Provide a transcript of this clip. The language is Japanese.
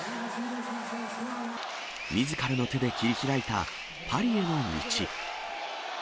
みずからの手で切り開いたパリへの道。